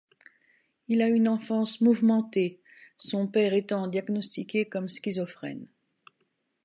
Il a une enfance mouvementée, son père étant diagnostiqué comme schizophrène.